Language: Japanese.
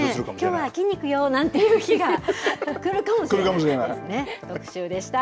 きょうは菌肉よなんていう日が来るかもしれないですね。